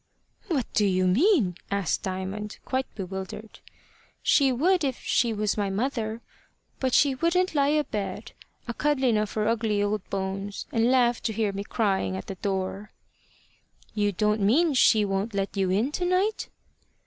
"What do you mean?" asked Diamond, quite bewildered. "She would if she was my mother. But she wouldn't lie abed a cuddlin' of her ugly old bones, and laugh to hear me crying at the door." "You don't mean she won't let you in to night?"